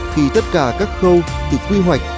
khi tất cả các khâu từ quy hoạch